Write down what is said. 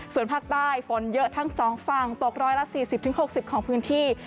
ส่วนภาคใต้ฝนเยอะทั้ง๒ฝั่งตก๑๔๐๖๐ของพื้นที่